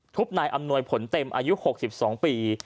นายอำนวยผลเต็มอายุ๖๒ปี